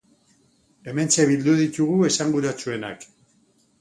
Hementxe bildu ditugu esanguratsuenak.